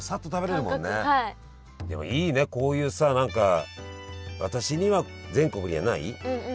でもいいねこういうさ何か私には全国にはないねえ